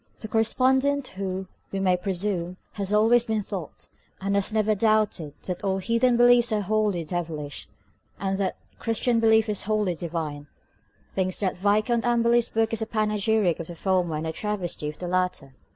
The correspondent who, we may presume, has always been taught, and has never doubted, that all heathen beliefs are wholly devilish, and that the Christian belief is wholly divine, thinks that Viscount Amberley's book is a panegyric of the former and a travesty of the latter.